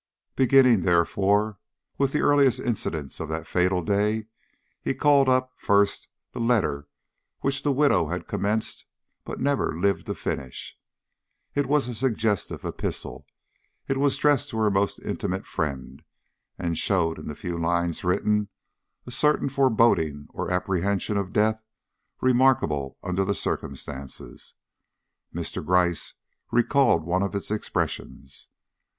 Beginning, therefore, with the earliest incidents of the fatal day, he called up, first, the letter which the widow had commenced but never lived to finish. It was a suggestive epistle. It was addressed to her most intimate friend, and showed in the few lines written a certain foreboding or apprehension of death remarkable under the circumstances. Mr. Gryce recalled one of its expressions.